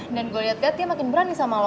dan gue liat liat dia makin berani sama lo